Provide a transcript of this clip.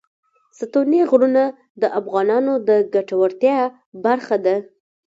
ستوني غرونه د افغانانو د ګټورتیا برخه ده.